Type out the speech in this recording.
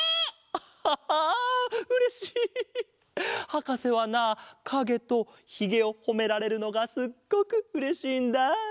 はかせはなかげとひげをほめられるのがすっごくうれしいんだ。